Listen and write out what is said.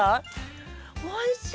おいしい！